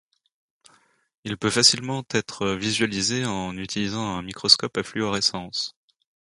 Il peut facilement être visualisé en utilisant un microscope à fluorescence.